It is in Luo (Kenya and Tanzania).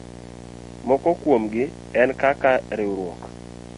Moko kuomgi en kaka:riwruok